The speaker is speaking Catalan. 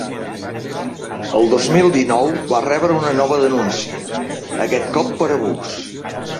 El dos mil dinou va rebre una nova denúncia, aquest cop per abús.